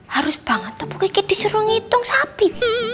harus banget tuh pokoknya disuruh ngitung sapi